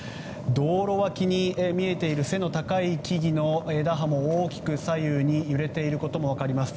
道路脇に見えている背の高い木々の枝葉も大きく左右に揺れていることも分かります。